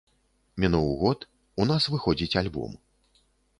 Мінуў год, у нас выходзіць альбом.